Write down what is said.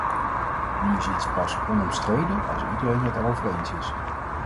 Nu is iets pas onomstreden als iedereen het erover eens is.